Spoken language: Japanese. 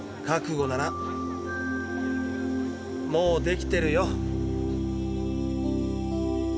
覚悟ならもうできてるよ。